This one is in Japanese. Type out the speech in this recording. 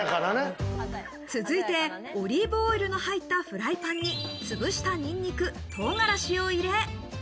続いてオリーブオイルの入ったフライパンに、つぶしたニンニク、唐辛子を入れ。